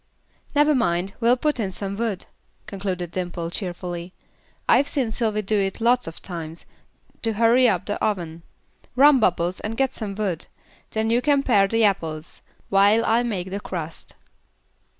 "Never mind, we'll put in some wood," concluded Dimple, cheerfully. "I've seen Sylvy do it lots of times, to hurry up the oven. Run, Bubbles, and get some wood. Then you can pare the apples, while I make the crust."